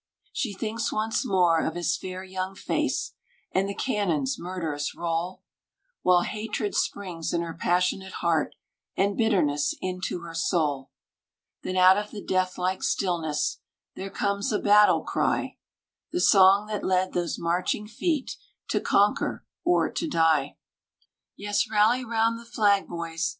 She thinks once more of his fair young face, And the cannon's murderous roll, While hatred springs in her passionate heart, And bitterness into her soul. Then out of the death like stillness There comes a battle cry The song that led those marching feet To conquer, or to die. "Yes, rally round the flag, boys!"